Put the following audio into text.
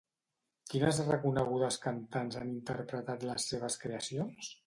Quines reconegudes cantants han interpretat les seves creacions?